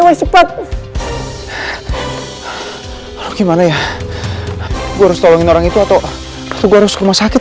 woi cepet gimana ya gue harus tolongin orang itu atau atau harus rumah sakit